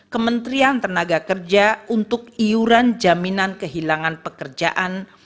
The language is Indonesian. kementerian tenaga kerja untuk iuran jaminan kehilangan pekerjaan